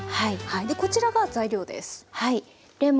こちらが材料です。